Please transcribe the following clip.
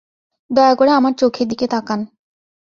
দয়া করে আমার চোখের দিকে তাকান।